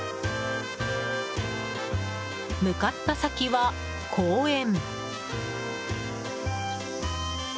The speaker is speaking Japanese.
向かった先は公園。